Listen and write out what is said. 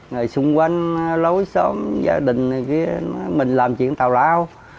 rồi xung quanh lối xóm gia đình mình làm chuyện tào lao